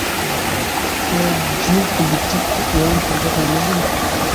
آیا جیوپولیټیک د ایران په ګټه نه دی؟